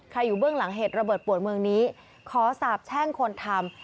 อยู่เบื้องหลังเหตุระเบิดปวดเมืองนี้ขอสาบแช่งคนทำ